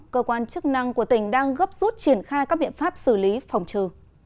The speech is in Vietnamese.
cơ quan chức năng của tỉnh đang gấp rút triển khai các biện pháp xử lý phòng trừ